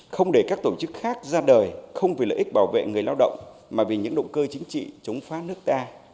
không để các tổ chức khác ra đời không vì lợi ích bảo vệ người lao động mà vì những động cơ chính trị chống phá nước ta